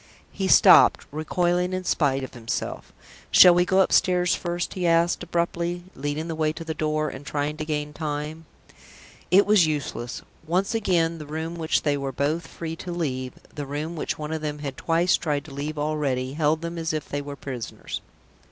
He stopped, recoiling in spite of himself. "Shall we go upstairs first?" he asked, abruptly, leading the way to the door, and trying to gain time. It was useless. Once again, the room which they were both free to leave, the room which one of them had twice tried to leave already, held them as if they were prisoners.